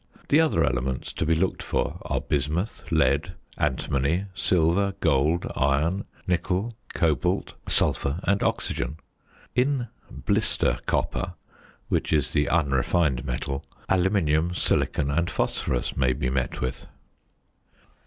The other elements to be looked for are bismuth, lead, antimony, silver, gold, iron, nickel, cobalt, sulphur, and oxygen. In "blister copper" (which is the unrefined metal), aluminium, silicon, and phosphorus may be met with.